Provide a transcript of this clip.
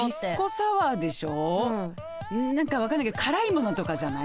何か分かんないけど辛いモノとかじゃない？